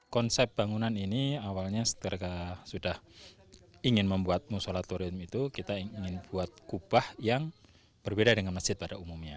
konsep bangunan ini awalnya setelah sudah ingin membuat musolatorium itu kita ingin buat kubah yang berbeda dengan masjid pada umumnya